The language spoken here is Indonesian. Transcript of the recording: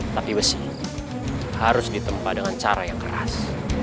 tapi besi harus ditempa dengan cara yang keras